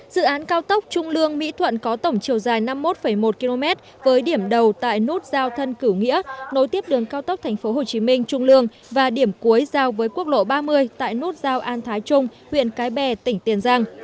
dự án cao tốc trung lương mỹ thuận có tổng chiều dài năm mươi một một km với điểm đầu tại nút giao thân cửu nghĩa nối tiếp đường cao tốc tp hcm trung lương và điểm cuối giao với quốc lộ ba mươi tại nút giao an thái trung huyện cái bè tỉnh tiền giang